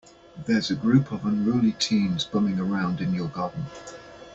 There's a group of unruly teens bumming around in your garden.